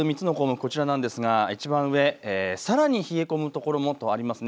こちらなんですがいちばん上、さらに冷え込む所もとありますね。